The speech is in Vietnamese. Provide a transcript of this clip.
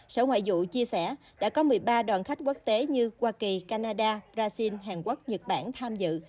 sở ngoại vụ chia sẻ đã có một mươi ba đoàn khách quốc tế như hoa kỳ canada brazil hàn quốc nhật bản tham dự